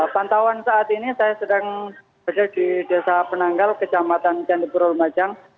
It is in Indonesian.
pantauan saat ini saya sedang berada di desa penanggal kejamatan jandipuro lemajang